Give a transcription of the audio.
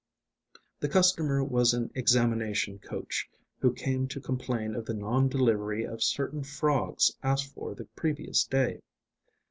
The customer was an examination coach who came to complain of the non delivery of certain frogs asked for the previous day.